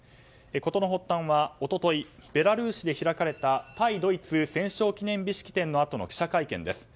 事の発端は、一昨日ベラルーシで開かれた対ドイツ戦勝記念日の記者会見です。